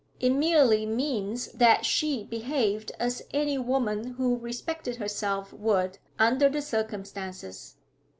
'It merely means that she behaved as any woman who respected herself would under the circumstances.